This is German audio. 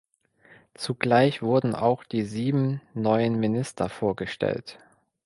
Zugleich wurden auch die sieben neuen Minister vorgestellt.